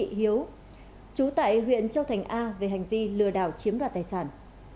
thị hiếu chú tại huyện châu thành a về hành vi lừa đảo chiếm đoạt tài sản